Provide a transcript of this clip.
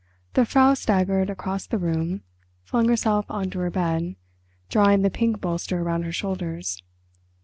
The Frau staggered across the room, flung herself on to her bed, drawing the pink bolster round her shoulders.